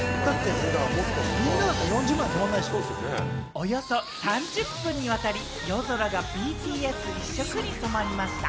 およそ３０分にわたり、夜空がＢＴＳ一色に染まりました。